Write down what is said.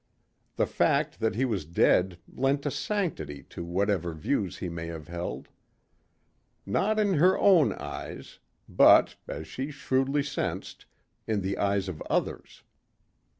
The fact that he was dead lent a sanctity to whatever views he may have held. Not in her own eyes but, as she shrewdly sensed, in the eyes of others.